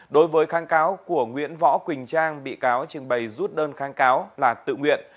đối với kháng cáo của nguyễn võ quỳnh trang bị cáo trình bày rút đơn kháng cáo là tự nguyện